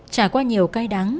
trả qua nhiều cay đắng